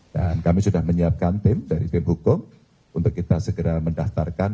dan kami sudah menyiapkan tim dari tim hukum untuk kita segera mendaftarkan